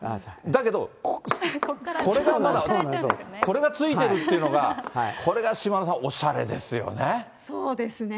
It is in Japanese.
だけどこれがまだ、これがついてるっていうのが、これが島田さん、そうですね。